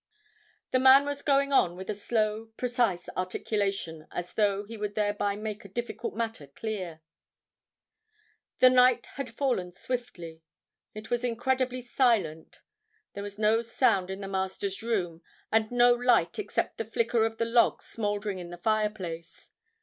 The man was going on with a slow, precise articulation as though he would thereby make a difficult matter clear. "The night had fallen swiftly. It was incredibly silent. There was no sound in the Master's room, and no light except the flicker of the logs smoldering in the fireplace.